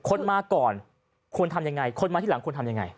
คนมาก่อนควรทำยังไงคนมาที่หลังควรทำยังไง